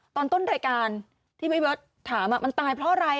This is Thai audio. ตอนต้นรายการที่พี่เบิร์ตถามมันตายเพราะอะไร